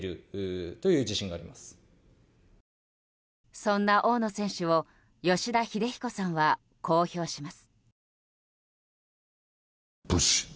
そんな大野選手を吉田秀彦さんはこう評します。